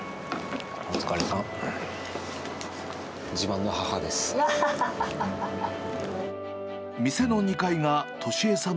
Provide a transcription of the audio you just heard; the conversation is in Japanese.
お疲れさん。